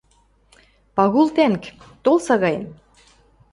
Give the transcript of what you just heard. — Пагул тӓнг, тол сагаэм!